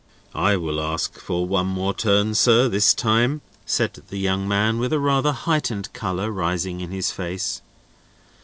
"I will ask for one more turn, sir, this time," said the young man, with a rather heightened colour rising in his face.